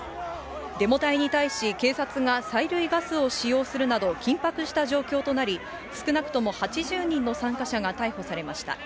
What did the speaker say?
デモ隊に対し警察が催涙ガスを使用するなど、緊迫した状況となり、少なくとも８０人の参加者が逮捕されました。